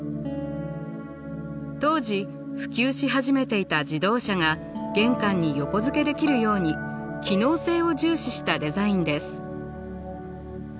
当時普及し始めていた自動車が玄関に横付けできるように機能性を重視したデザインです。